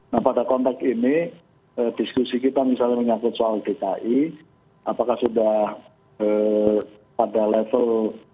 nah pada konteks ini diskusi kita misalnya menyangkut soal dki apakah sudah pada level